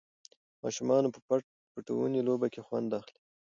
ماشومان په پټ پټوني لوبه کې خوند اخلي.